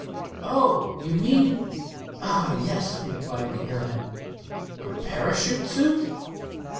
"Oh, you mean—ah, yes," replied the airman, "your parachute suit?"